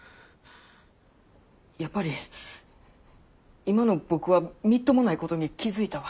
やっぱり今の僕はみっともないことに気付いたわ。